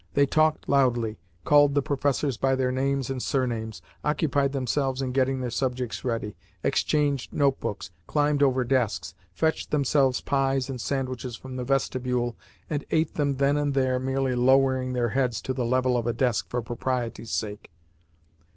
They talked loudly, called the professors by their names and surnames, occupied themselves in getting their subjects ready, exchanged notebooks, climbed over desks, fetched themselves pies and sandwiches from the vestibule, and ate them then and there merely lowering their heads to the level of a desk for propriety's sake.